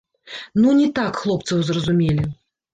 Ну не так хлопцаў зразумелі!